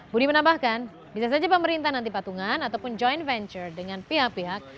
budi menambahkan bisa saja pemerintah nanti patungan ataupun joint venture dengan pihak pihak